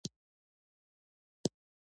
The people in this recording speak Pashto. په افغانستان کې د کلي منابع شته.